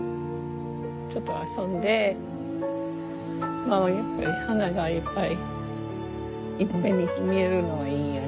まあやっぱり花がいっぱいいっぺんに見えるのはいいよね。